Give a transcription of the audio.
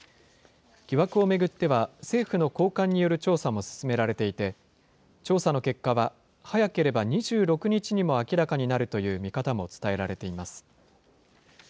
疑惑を巡っては、政府の高官による調査も進められていて、調査の結果は、早ければ２６日にも明らかになるという見方も伝えられています。